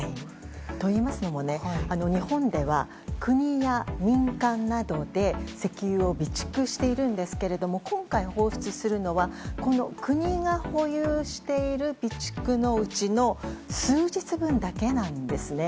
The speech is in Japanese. と、いいますのも日本では国や民間などで石油を備蓄しているんですけど今回、放出するのは国が保有している備蓄のうちの数日分だけなんですね。